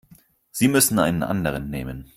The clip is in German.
Sie müssen einen anderen nehmen.